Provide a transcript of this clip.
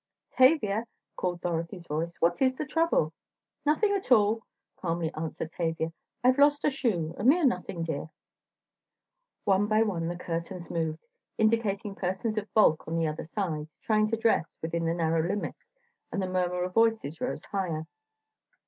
"Tavia," called Dorothy's voice, "what is the trouble?" "Nothing at all," calmly answered Tavia, "I've lost a shoe; a mere nothing, dear." One by one the curtains moved, indicating persons of bulk on the other side, trying to dress within the narrow limits, and the murmur of voices rose higher.